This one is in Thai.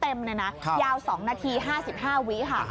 เต็มเลยนะยาว๒นาที๕๕วินาทีค่ะ